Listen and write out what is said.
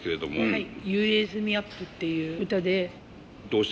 はい。